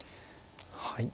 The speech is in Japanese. はい。